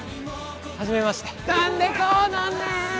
はじめましてなんでこうなんねん！